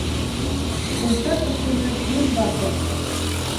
Йомшаҡ кешене һүҙ баҫыр.